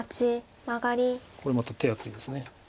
これまた手厚いです。